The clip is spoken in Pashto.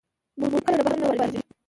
بوټونه کله له بهر نه واردېږي.